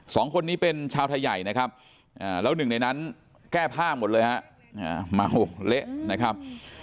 สองคนนี้เป็นชาวไทยใหญ่นะครับแล้วหนึ่งในนั้นแก้ผ้าหมดเลยฮะเมาเละนะครับ